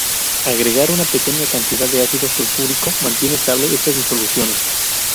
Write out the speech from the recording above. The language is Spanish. Agregar una pequeña cantidad de ácido sulfúrico mantiene estable esas disoluciones.